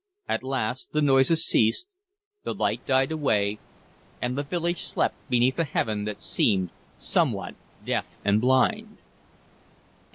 At last the noises ceased, the light died away, and the village slept beneath a heaven that seemed somewhat deaf and blind.